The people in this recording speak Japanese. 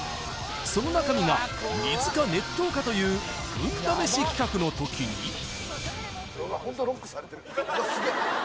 その中身が水か熱湯かという運試し企画の時にホントロックされてるうわっすげえ